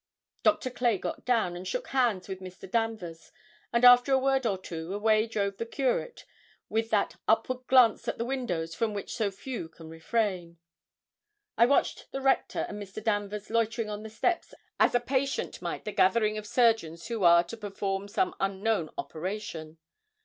Doctor Clay got down, and shook hands with Mr. Danvers; and after a word or two, away drove the Curate with that upward glance at the windows from which so few can refrain. I watched the Rector and Mr. Danvers loitering on the steps as a patient might the gathering of surgeons who are to perform some unknown operation.